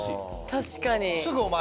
確かに。